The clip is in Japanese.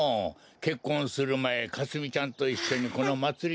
けっこんするまえかすみちゃんといっしょにこのまつりにきて。